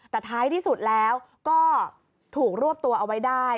แต่ท้ายที่สุดแล้วก็ถูกรวบตัวเอาไว้ได้